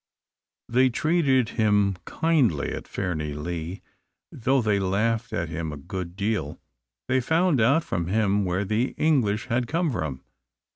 They treated him kindly at Fairnilee, though they laughed at him a good deal. They found out from him where the English had come from.